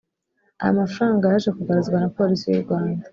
Aya mafaranga yaje kugaruzwa na Polisi y’u Rwanda